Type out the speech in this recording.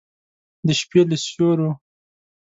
د شپې له سیورو